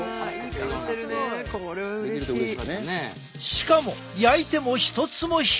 しかも焼いても一つも開かない！